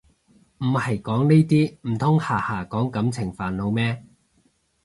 唔係講呢啲唔通下下講感情煩惱咩